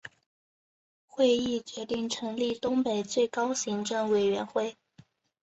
会议决定成立东北最高行政委员会。